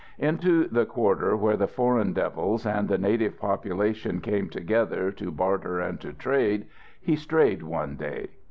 Into the quarter where the Foreign Devils and the native population came together to barter and to trade, he strayed one day.